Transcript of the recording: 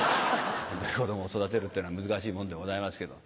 子供を育てるっていうのは難しいもんでございますけど。